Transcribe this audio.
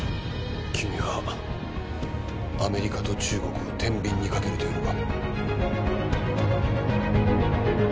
君はアメリカと中国を天秤にかけるというのか？